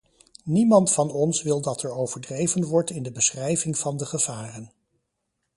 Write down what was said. Niemand van ons wil dat er overdreven wordt in de beschrijving van de gevaren.